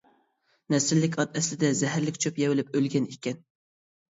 نەسىللىك ئات ئەسلىدە زەھەرلىك چۆپ يەۋېلىپ ئۆلگەن ئىكەن.